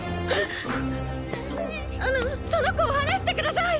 あのその子を放してください。